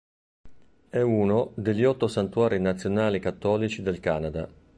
È uno degli otto santuari nazionali cattolici del Canada.